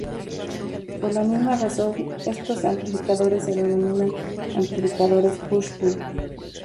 Por la misma razón, estos amplificadores se denominan amplificadores "push-pull".